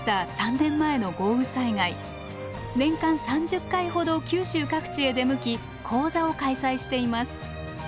年間３０回ほど九州各地へ出向き講座を開催しています。